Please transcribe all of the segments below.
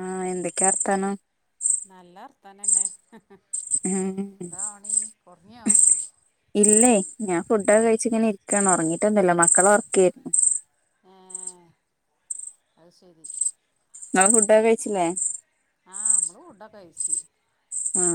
ആ എന്തൊക്കെയാ അർത്ഥാനം നല്ല അർഥം തന്നെ ഹം എന്താ പണി കുറഞ്ഞോ ഇല്ലേ ഞാൻ ഫുഡൊക്കെ കഴിച്ചിങ്ങനെ ഇരിക്കാണ് ഉറങ്ങി ന്നല്ല മക്കള ഉറക്കി ആ അത് ശരി നിങ്ങള് ഫുഡൊക്കെ കഴിച്ചില്ലേ ആ നമ്മള് ഫുഡൊക്കെ കഴച്ചി ആ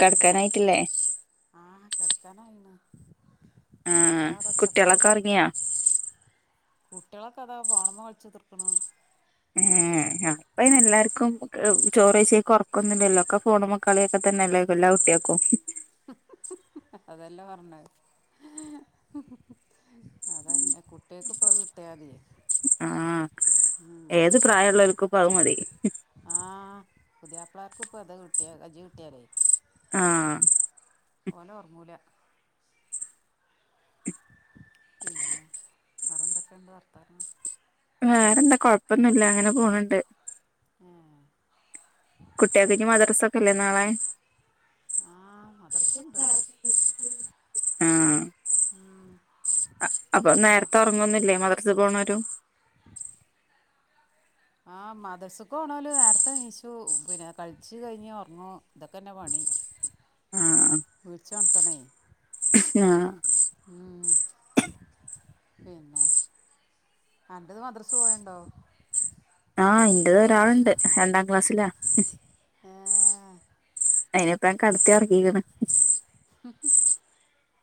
കാടക്കാനയിട്ടില്ലേ ആ [inaudible] ആ എന്താ അവിടെ ഒച്ചപ്പാട് കുട്ടികളൊക്കെ ഉറങ്ങിയാ കുട്ടികളൊക്കെ അതാ ഫോണില് കളിച്ചു തീർക്കണമെന്ന്. ക്കും ചോറ് കഴിച്ചിട്ട് ഉറക്കമൊന്നുമില്ലല്ലോ ഒക്കെ ഫോണുമ മക്കളിയൊക്കെ തന്നെയല്ലെ എല്ലാ കുട്ടികൾക്കും അതല്ല പറഞ്ഞ അതല്ല കുട്ടികൾക്ക് ഇപോ അത്കിട്ടിയാൽ തി ആ ഏത് പ്രായമുള്ളവർക്കു ഇപ്പ അതു മതി ആമ്പിള്ളർക്കും ഇപ്പ അത് കിട്ടിയാലേ ആ ഓന് ഉറങ്ങുല പിന്നെ വറെന്തൊക്കെയുണ്ട് വർത്താനം വേറെന്താ കൊഴപ്പൊന്നുമില്ല അങ്ങനെ പോനുണ്ട് ഏ കുട്ടി കൾക്കൊക്കെ മദ്രസ ഒക്കെ യില്ലേ നാളെ ആ മദ്രസ ഉണ്ട് ആ അ അപ്പൊ മോ നേരത്തെ ഉറങ്ങൊന്നില്ലേ മദ്രസെപോണവരു ആ മദ്രസെക്ക് പോണോര് നേരത്തെ എണീച്ചു പിന്നെ കഴിച്ചു കഴിഞ്ഞ് ഒറങ്ങു ഇതൊക്കെ തന്നെ പണി ഉ ആ വിളിച്ചൊണത്തണെ ആ ഇം പിന്നെ അവിടുന്ന് മദ്രസ പോയെണ്ടോ ആഹ് ഉ ഏഹ് അയിനിപ്പ കിടത്തി ഉറക്കിയേക്കണ്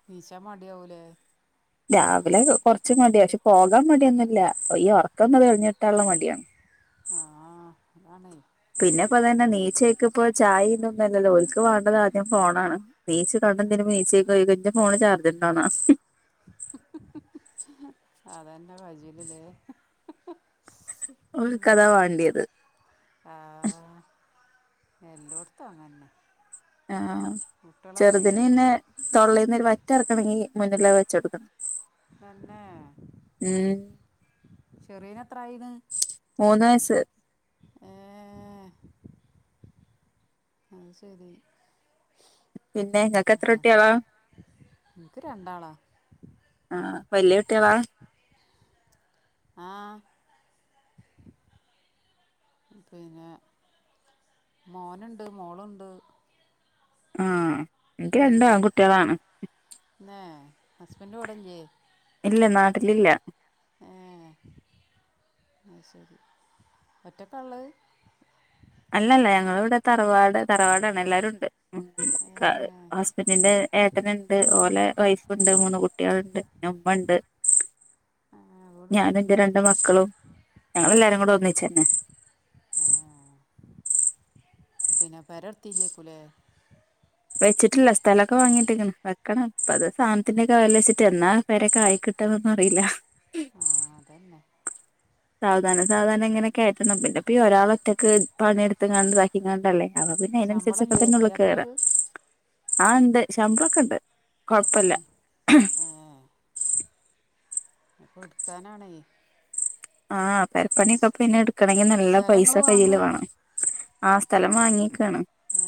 എണിച്ച മടിയാവൂലേ രാവിലെ കൊറ ച്ച് മടിയ പക്ഷെ പോകാൻ മടിയൊന്നുല്ല ഈ ഒറക്കം ഒന്ന് തെളിഞ്ഞിട്ടാനുള്ള മടിയാ ആ അതാണെ പിന്നെ ഇപ്പ അതന്നെ ണീച്ചക്കപ്പോ ഇപ്പോ ചായിതൊന്നുംല്ലല്ലോ ഓൽക്ക് വേണ്ടത് ആദ്യം ഫോണാണ് ണീച്ച് [unintelligible] എന്തിന് മീച്ചക്ക് പോയി കഴിഞ്ഞ ഫോൺ ചാർജ്ണ്ടാന്നാണ് അതെന്റെ [unintelligible] ഓരുക്കത വേണ്ടിയത് ആഹ് എല്ലോടത്തും അങ്ങനന്നെ ആ ചെറുതിന് പിന്നെ തൊള്ളയിന്നൊരു വറ്റ്ഇറക്കണങ്കി മുന്നിലത് വെച്ച്കൊടുക്കണം തന്നെ ഉം ചെറിയേന് എത്രായിന്ന് [unintelligible] ഏ അത് ശരി പിന്നെ നിങ്ങക്ക് എത്ര കുട്ടിയോളാ എനിക്ക് രണ്ടാളാ ആ വല്ല്യ കുട്ടികളാ ആ പിന്നെ മോനെണ്ട് മോളുണ്ട് ആ എനിക്ക് രണ്ടു ഉം ആങ്കുട്ടികളാണ് ന്നേ ഹസ്ബൻഡ് കൂടെയില്ലേ ഇല്ല നാട്ടിലില്ല ഏ അത് ശരി ഒറ്റക്ക എള്ളത് അല്ലല്ല ഞങ്ങള ഇവിടെ തറവാട് തറവാടാണ് എല്ലാരുണ്ട് ഉം ഏ ക ഹസ്ബൻഡിന്റെ ഏട്ടനിണ്ട് ഓളെ വൈഫിണ്ട് മൂന്ന് കുട്ടികളുണ്ട് ഉമ്മണ്ട് ആ വീട് ഞാന് എന്റെ എടുത്തില്ലേ രണ്ട് മക്കളും ഞങ്ങളെല്ലാരും കൂടെ ഒന്നിച്ചന്നെ ആ പിന്നെ പരർത്തിയിലേക്കുലെ വെച്ചിട്ടില്ല സ്ഥലൊക്കെ വാങ്ങിട്ടിക്കണ് വെക്കണം അപ്പ അത് സാനത്തിന്റെക്ക വെല വച്ചിട്ട് എന്നാ പേരെക്ക ആയി കിട്ട തൊന്നും അറിയില്ല ആ അതന്നെ സാവധാനം സാവധാനം ഇങ്ങനെയൊക്കെ ആയിട്ടന്ന പിന്നെ ഇപ്പ ഒരാള ഒറ്റക്ക്പണിയെടുത്ത് കണ്ട്ക്കങ്ങണ്ടല്ലേ അപ്പ പിന്നെ അതിനനുസരിച്ചൊക്കെ ശമ്പളല്ലേ തന്നെ ഒള്ള് കെയറാൻ പുതിയാപ്പൾക്ക് ആ എണ്ട് ശമ്പളോക്കെണ്ട് ആ [unintelligible] അപ്പൊ ഇടുക്കാനാണെ ആ പെരപ്പണിയൊക്കെ പിന്നെ എടുക്കണെങ്കി നല്ല സ്ഥലം പൈസ ഇങ്ങള് കയ്യില് വാങ്ങേ വേണം ആ സ്ഥലം വാങ്ങിക്കണം ഏ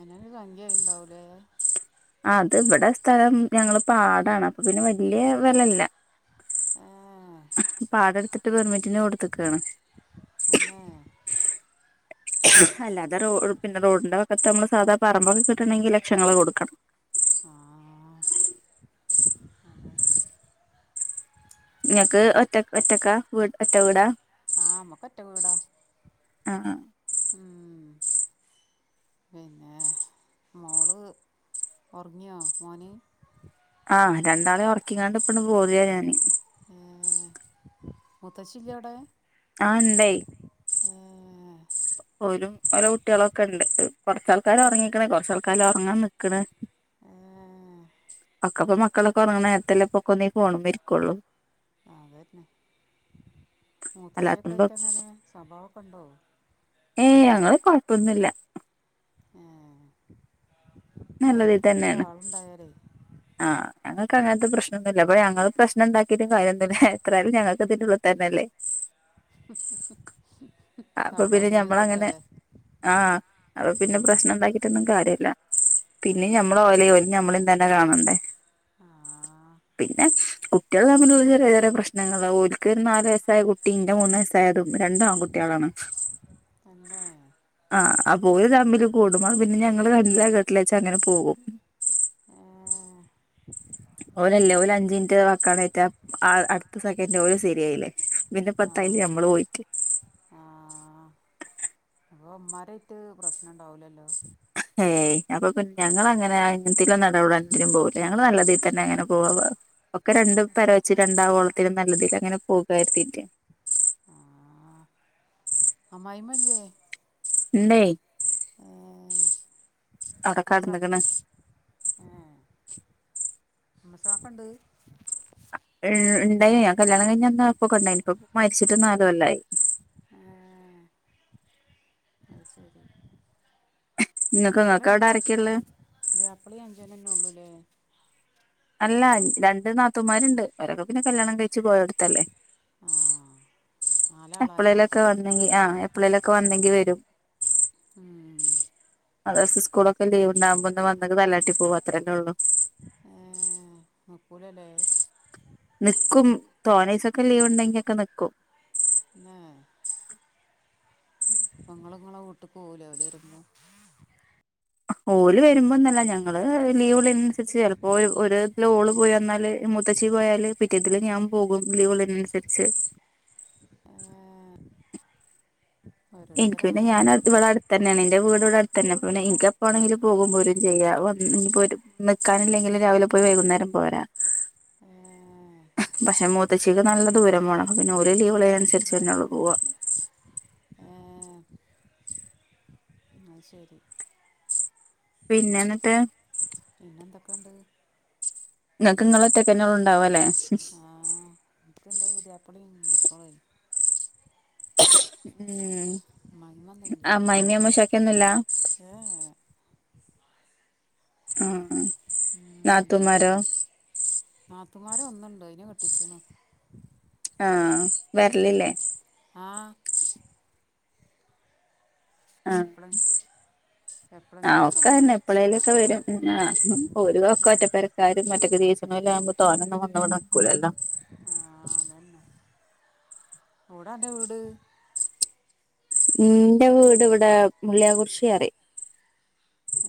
അയ്നൊരു സംഖ്യ ആയിണ്ടാവുല്ലേ ആ അത് ഇവിടെ സ്ഥലം ഞങ്ങള് പാടാണ് അപ്പൊ പിന്നെ വല്യ വെലല്ല ഏ പാടെടുത്തിട്ട് വെറും വ കൊടുത്തക്കാണ് തന്നെ അല്ലാതെ പിന്നെ റോഡിന്റെ പക്കത്ത് നമ്മള് സാധാരണ പറമ്പൊക്കെ കിട്ടുണെങ്കിൽ ലക്ഷങ്ങള്ൾ കൊടുക്കണം ആ ആ ങ്ങക്ക് ഒറ്റ ഒറ്റക്ക വ ഒറ്റ വൂടാ ആമ്മക്ക ഒറ്റ വീടാ ആഹ ഉം പിന്നെ മോള് ഉറങ്ങിയോ മോന ആഹ രണ്ടാളെ ഉറക്കിണ്ട് ഇപ്പും പോതിയ ഞാന് മുത്തച്ചി ഇല്ലെവിടെ ആഹ ഉണ്ടെ ആഹ പോലും ഓല കുട്ടികളൊക്കെ ഉണ്ട് കൊറച്ചാൾക്കാര് ഉറങ്ങിക്കണേ കൊറച്ചാൾക്കർ ഉറങ്ങാൻ നക്കണ പക്കപ്പ മക്കളൊക്കെ ഉറങ്ങണ നേരത്തെല്ല ഇപ്പൊക്ക ഒേ പോകണേരിക്കുള്ളൂ ആതരന്നെ മൂത്തശ്ഛക്കെ അല്ലാത്തുമ്പോ ആയിട്ട അങ്ങനെ സ്വഭാവൊക്കെ ഉണ്ടോ ഏ ഞങ്ങള്ൾ കൊഴപ്പൊന്നില്ല ആഹ ചിലവിടത്തൊക്കെ ആളുണ്ടായാലേ ആഹ ഞങ്ങൾക്ക് അങ്ങനത്തെ പ്രശ്നൊന്നുമ ഇല്ലപ്പ ഞങ്ങള് പ്രശ്നം ഉണ്ടാക്കിട്ടും കാര്യൊന്നുമല്ല എത്രാല ഞങ്ങൾക്ക് ഇതിന്റെ വിളത്ത ല്ലേ ഉ അപ്പൊ പിന്നെ ഞമ്മള അങ്ങനെ ആഹ അപ്പൊ പിന്നെ ഉം, പ്രശ്ന ഉണ്ടാക്കിട്ടൊന്നും കാര്യല്ല പിന്നെ അതന്നെ ഞമ്മൾ ഓല ഓല ഞമ്മളും തന്നെ കാണണ്ടേ ആ പിന്നെ കുട്ടികൾ തമ്മിലുള്ള ചെറ ചെറെ പ്രശ്നങ്ങൾ ഒരിക്കലൊ ഒരു നാലല് വയസ്സായ കുട്ട ഇന്റെ മൂന്ന്ു വയസ്സായതുംണ്ട ാണ് തന്നെ ആ പോയ തമ്പില് കൂടുും പിന്നെ ഞങ്ങള്ൾ നല്ലഘെട്ടില വച്ച അങ്ങനെ പോകും ഏ, ഓരല്ലേഓ അഞ്ച മിനിറ്റ് വക്കാണ് ഏറ്റാ അടുത്ത സെക്കൻഡ് ഓ ശരിയായില്ലേ പിന്നെ ആ പത്തായില് ഞമ്മള് പോയിട്ട് അപ്പൾ അമ്മാരായിട്ട് പ്രശ്നം ഉണ്ടാവില്ലല്ലോ ഏയ് അപ്പൊ പിന്നെ ഞങ്ങങ്ങനെ അങ്ങന നടപടാൻെേലും പോില്ല ഞങ്ങൾ നല്ല രീയിൽ തന്നെ അങ്ങനെ പോവാ ഒക്കെ രണ്ട പര വെച്ച് രണ്ടോ ളത്തിനൽ നല്ലതിൽ അങ്ങനെ പോകരുത്തീട്ട അമ്മമായി ല്ലേ ന അട മാസ കടന്ന് കുണ് മസക്ക ഇണ്ട് ഉണ്ടായി ഞാൻ കല്യാണം കഴിഞ്ഞഞ്ാ അപ്പൊക്കെണ്ടായിനി ഇപ്പ മരിച്ചിട്ട് നാലകൊല്ല ആായി അ ശരി ഇങ്ങക്ക് നിങ്ങൾ ഇങ്ങക്ക് അവിടെ രണ്ടാേ ആരൊക്കെയുള്ളെ പ്പിളി അഞ്ചനന്നെ ഉള്ളൂല്ലേ അല്ല രണ്ട് നാത്തമാരുണ്ട് ഒരക്ക പിന്നെ കല്യാണം കഴ ച്ച് പോയെടുത്തല്ലേ ആഹ് നാലാളാല്ലേ എപ്പോഴേലൊക്കെ വന്നെങ്കി ആ് എപ്പോളേലൊക്കെ വന്നെങ്കി വരും ഉ [unintelligible] അത് സ്കൂൊക്കെ ലീവ് ഉണ്ടാവുമ്പോന്ന് വന്ന തലാട്ട പോവാത്രേള്ളൂ മക്കു ല ല്ലേ നിക്കും തോനൈസൊക്കെ ലീവ് ഉണ്ടെങ്കിൊക്കെ നക്കും ന പൊങ്ങളങ്ങളെ വീട്ട് പോല അവല വരുമ്പോ ഓല് വരുമ്പോന്നല്ല ഞങ്ങള് ലീവള അനുസരിച്ച് ചിലപ്പോ ഒരു ഓള് പോയി വന്നാല് മുത്തച്ചി പോയാല് പിറ്റേതില് ഞാൻ പോകും വിളവിളിനനുസരിച്ച് ആഏ എനിക്ക് പിന്നെ ഞാനൻ അവിളടെ അടുത്ത തന്നെയാണ് എൻന്റെ വീടടെ തന്നെപ്പന്നെ എനിക്കപ്പോ ആണെങ്കില പോകും പോലും ചെയ്യ ഇനി പോ നിൽക്കാനില്ലെങ്കിൽ രാവിലെ പോയി വൈകുന്നേരം പോരാ ആഹ പക്ഷെ മൂത്തച്ചിക്ക് നല്ല ദൂരം പോണം പിന്നെ ഒരു ലീവിള അനുസരിച്ച് പിന്നെോള് പോവാ ആഹ ആ ശരി പിന്നെ എന്നിട്ട് പിന്ന എന്തൊക്കെയണ്ട് നിക്കങ്ങളൊത്തൊക്കന്നെള്ള ഉണ്ടാവും അല്ലേ ആഹ ഇക്ക് എന്റെ പുദ്യപ്പളി മക്കള ഉം ഇമ്മായിമ്മ ഒന്നുല്ല ആമ്മമ്മ അമ്മശാക്കൊന്നുഇല്ല ഏ ആഹ ഉം നാതുമാരോ തമാര ഒന്നുണ്ടോ അതിനന്െ കെട്ടിച്ചീണ് ആഹ വരലില്ലേ ആ ആഹ എപ്പളെ ആ എപ്പളെങ്കിലൊക്കെ ഒക്കെ വരും എപ്പഴേലൊക്കെ വരും ഒരുക്കെ ഒറ്റപ്പരക്കാരും മറ്റൊക്കെ ജീസണല ആകുമ്പോ തോനൊന്നും വന്നോടെ നടക്കൂലല്ലോ വീടാന്റെ വീട് എന്റെ വീട് ഇവിടെ മുള്ളിയ കുറിശിറി ഓ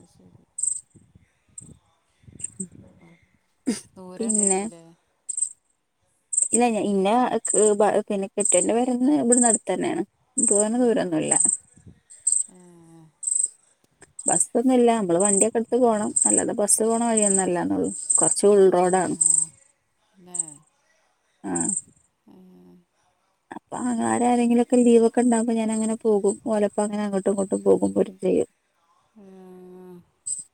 അ ശരി ഉ ദൂര ഉണ്ടായിക്കൂലേ ഇല്ല ഇന്നെ [unintelligible] പിന്നെ കെട്ടിയോന്റെ പേര ഇവിടുന്ന് നടത്ത് തന്നെയാണ് തോനാ ദൂരോന്നുല്ല ഏ ബസ്സോന്നും ഇല്ല നമ്മള് വണ്ടിയൊക്കെ എടുത്ത് പോകണം അല്ലാതെ ബസ്സ് പോകണം വഴിയൊന്നല്ലാന്നള്ളു കൊറച്ച് ആ ഉൾറോഡാണ് ല്ലേ ആ ഏ അപ്പോ ആങ്ങളര് ആരെങ്കിലോക്കെ ലീവോക്കെണ്ടാകുമോ ഞാൻ അങ്ങനെ പോകും ഓലപ്പ അങ്ങനെ അങ്ങോട്ടും ഇങ്ങോട്ടും പോകും വരും ചെയ്യും ഏ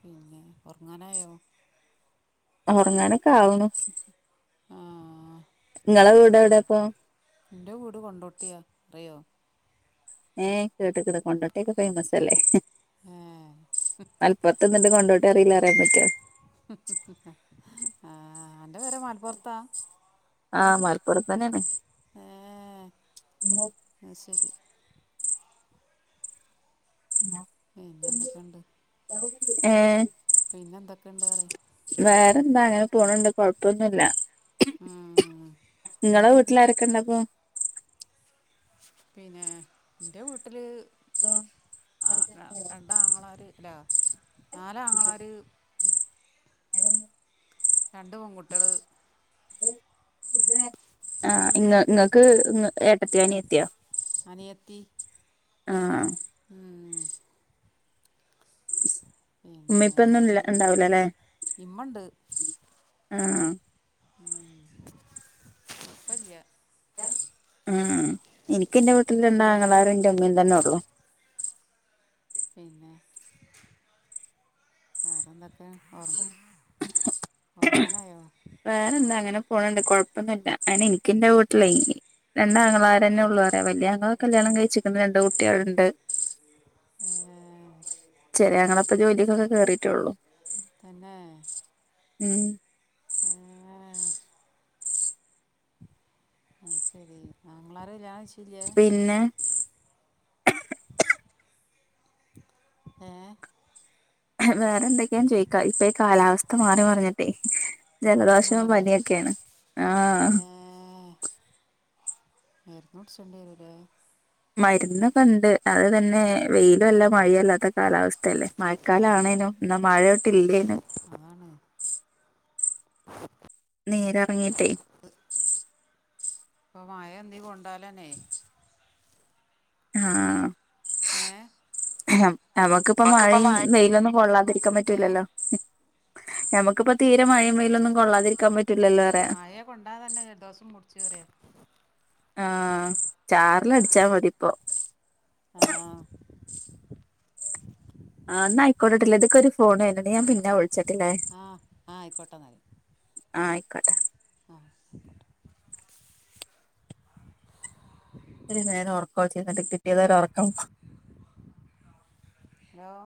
പിന്നെ ഒറങ്ങാനായോ ഒറങ്ങാനൊക്കെ ആവുണു ആ നിങ്ങളെ വീടെ എവിടെപ്പോ എന്റെ വീട് കൊണ്ടോട്ടിയാ അറിയോ ഏ കേട്ട്കണ് കൊണ്ടോട്ടി ഒക്കെ ഫേമസ് അല്ലേ ഏ മൽപ്പോർത്ത് നിന്നിട്ട് കൊണ്ടോട്ടി അറിയില്ലന്ന് പറയാൻ പറ്റോ ആ അന്റെ പേര മലപോറത്താ ആ മലപ്പുറം തന്നെന് ഹേ അയ്ശരി പിന്നെ എന്തൊക്കെയുണ്ട് [inaudible] ഏ പിന്നെ എന്തൊക്കെയുണ്ട് പറയ് വേറെന്താ അങ്ങനെ പോണണ്ട് കൊഴപ്പൊന്നുല്ല നിങ്ങളെ വീട്ടിലാരൊക്കെണ്ടപ്പാ പിന്നെ എന്റെ വീട്ടില് ആ [inaudible] രണ്ടാങ്ങളാര് ഒരാ നാല് അങ്ങളാര് [inaudible] രണ്ട് പെൺകുട്ടികള് ആ നിങ്ങ നിങ്ങക്ക് എ ട്ടാത്തിയ അനിയത്തിയ ആ ഉം ഉമ്മേം പിന്നെ ഉപ്പേം ഒന്നുല്ല ണ്ടാവൂലല്ലേ ഇമ്മ ഉണ്ട് ആ ഉപ്പ ഇല്ല്യ ഉം എനിക്ക് എന്റെ വീട്ടില് ഏ രണ്ടാങ്ങളാര് എന്റെ മ്മ തന്നെ ഒള്ളോ പിന്നെ വേറെന്തൊക്കെയാ ഓ ഓറങ്ങനായോ വേറെന്താ അങ്ങനെ പോണണ്ട് കൊഴപ്പൊന്നുല്ല അയിന് എനിക്ക് എന്റെ വീട്ടില് അയിന് രണ്ടാങ്ങളാരെന്ന ഉള്ളൂ വേറെ വല്ല്യങ്ങളാ കല്യാണം കഴിച്ച്ക്കണ് രണ്ട് കുട്ടേള് ഇണ്ട് ഏ ചെറിയങ്ങളാ ഇപ്പ ജോലിക്ക് ഒക്കെ കേറിട്ടേള്ളു തന്നേ ഉം ഏ അത് ശരി ആങ്ങളാര് കല്യാണം കഴിച്ച് പിന്നെ ഏ വേറെ എന്തൊക്കെയാന്ന് ചോയിക്കാ ഇപ്പ ഈ കാലാവസ്ഥ മാറി മാറഞ്ഞിട്ടേ പോരാൻ ജലദോഷവും തോന്നല്ലേ പനിയൊക്കെയാണ് ഏ [unintelligible] മരുന്ന് കുടിച്ചിട് വരൂലേ മരുന്നോക്കണ്ട് അത് തന്നെ വെയിലും അല്ല മഴേം അല്ലാത്ത കാലാവ സ്ഥല്ലേ മഴക്കാല ആ ആണേനും എന്നാ മഴേട്ട് ഇല്ലേനും അതാണ് നീരെറങ്ങീട്ടെ ഇപ്പൊ മഴ എന്ീ കൊണ്ടാലന്നെ ആ എ നമുക്കിപ്പ മഴയും നെയിലൊന്നും കൊള്ളാതിരിക്കാൻ ഏ പറ്റൂലല്ലോ നമുക്കിപ്പ തീരെ മഴയും മെയിലൊന്നും കൊള്ളാതിരിക്കാൻ പറ്റും മായെ കൊണ്ടാ തന്നെ ജെലദോസം പുടിച്ചു റ ആഹ ചാറില അടിച്ചാ മതിപ്പൊ ആഹ ആന്ന ആയിോട്ടില്ല ഇൊക്കൊ ഒരു ഫോൺട്ട ഞാ പിന്നെ വിളിച്ച ആഹ് ആയിക്കോട്ടന്നൽ ആഹ ആയിക്കോട്ടെ ആ ഒരു നേരം ഉറക്കം ചെന്നിട്ട് കിട്ടിയതൊരു ഉറക്കം ഹലോ